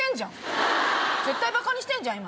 絶対バカにしてんじゃん今。